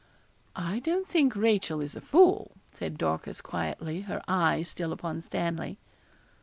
'I don't think Rachel is a fool,' said Dorcas, quietly, her eye still upon Stanley.